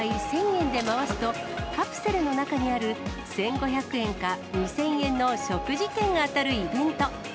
１回１０００円で回すと、カプセルの中にある１５００円か２０００円の食事券が当たるイベント。